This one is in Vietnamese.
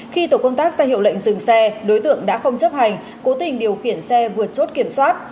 khi tổ công tác ra hiệu lệnh dừng xe đối tượng đã không chấp hành cố tình điều khiển xe vượt chốt kiểm soát